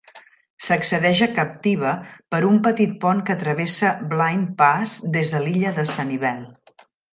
S'accedeix a Captiva per un petit pont que travessa Blind Pass des de l'illa de Sanibel.